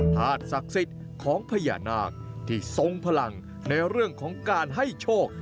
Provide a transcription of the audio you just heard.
ธาตุศักดิ์สิทธิ์ของพญานาคที่ทรงพลังในเรื่องของการให้โชค